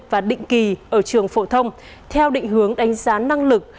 và định kỳ ở trường phổ thông theo định hướng đánh giá năng lực